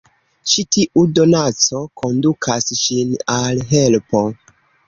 Ĉi tiu donaco kondukas ŝin al helpo...